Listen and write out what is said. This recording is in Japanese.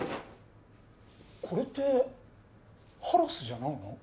これってハラスじゃないの？